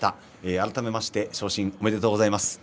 改めまして昇進おめでとうございます。